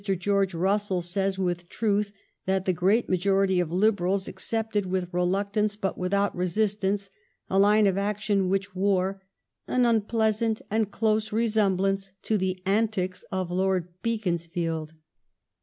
George Russell says with truth that the great majority of Liberals accepted with reluctance, but without resistance, a line of action which wore " an unpleasant and close resemblance to the antics of Lord Beaconsfield."